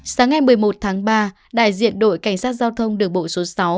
sáng ngày một mươi một tháng ba đại diện đội cảnh sát giao thông đường bộ số sáu